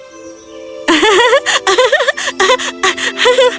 dia segera meringkuk dan menjilat brigitte